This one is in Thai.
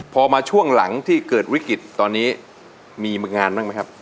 พอมาช่วงหลังที่เกิดวิกฤตตอนนี้มีงานบ้างไหมครับ